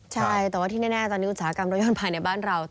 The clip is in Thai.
ใช่แต่ว่าที่แน่ตอนนี้อุตสาหกรรมรถยนต์ภายในบ้านเรา